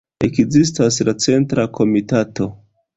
Ekzistas la Centra Komitato.